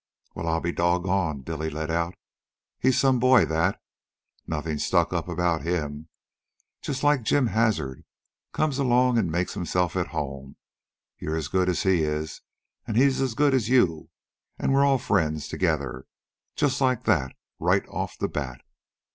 "Well, I'll be doggoned," Billy let out. "He's some boy, that. Nothing stuck up about him. Just like Jim Hazard, comes along and makes himself at home, you're as good as he is an' he's as good as you, an' we're all friends together, just like that, right off the bat."